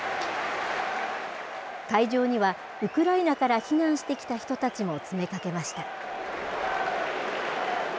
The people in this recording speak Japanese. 会場には、ウクライナから避難してきた人たちも詰めかけました。